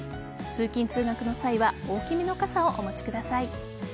通勤・通学の際は大きめの傘をお持ちください。